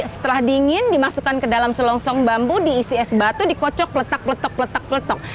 setelah dingin dimasukkan ke dalam selongsong bambu diisi es batu dikocok letak peletok letak peletok